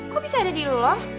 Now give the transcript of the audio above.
kok bisa ada di loh